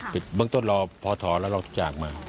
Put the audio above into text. ปิดเบื้องต้นพอถอแล้วเราจากมา